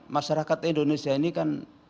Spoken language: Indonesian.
masyarakat indonesia ini kan